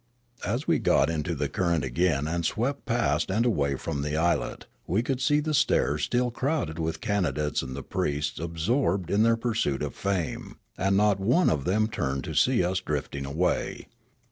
As we got into the current again and swept past and away from the islet, we could see the stairs still Kloriole 285 crowded with the candidates and the priests absorbed in their pursuit of fame ; and not one of them turned to see us drifting away.